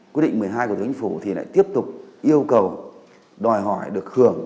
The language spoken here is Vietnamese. quyết định một mươi hai của thủy thì lại tiếp tục yêu cầu đòi hỏi được hưởng